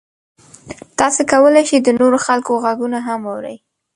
تاسو کولی شئ د نورو خلکو غږونه هم واورئ.